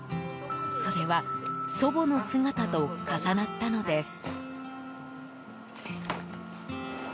それは祖母の姿と重なったのです。